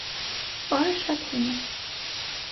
Պարը շատ հին է։